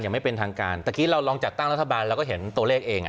ไม่เป็นทางการตะกี้เราลองจัดตั้งรัฐบาลเราก็เห็นตัวเลขเองอ่ะ